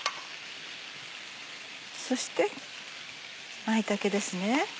そして舞茸ですね。